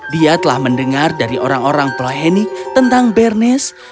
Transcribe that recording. dia telah mendengar dari orang orang plaheni tentang bernes